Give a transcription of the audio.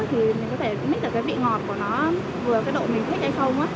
thì mình có thể mix được cái vị ngọt của nó vừa cái độ mình thích hay không á